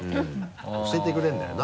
教えてくれるんだよな。